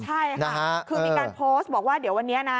ใช่ค่ะคือมีการโพสต์บอกว่าเดี๋ยววันนี้นะ